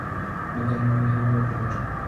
맘껏 힘껏 행복을 빌어보자.